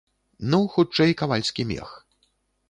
Ну, хутчэй, кавальскі мех.